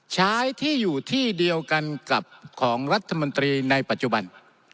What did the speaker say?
ใช้ที่อยู่ที่เดียวกันกับของรัฐมนตรีในปัจจุบัน